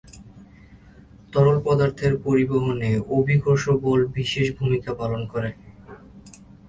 তরল পদার্থের পরিবহনে অভিকর্ষ বল বিশেষ ভূমিকা পালন করে।